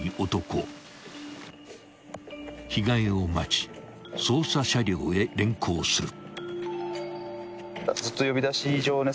［着替えを待ち捜査車両へ連行する］